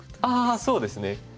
ああそうですね。